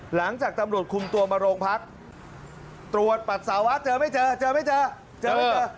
หลังจากตำรวจคุมตัวมาโรงพักตรวจปัสสาวะเจอไม่เจอเจอไม่เจอเจอไม่เจอ